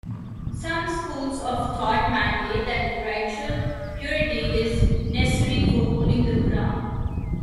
Some schools of thought mandate that ritual purity is necessary for holding the Quran.